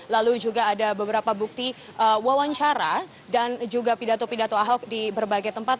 lalu juga ada beberapa bukti wawancara dan juga pidato pidato ahok di berbagai tempat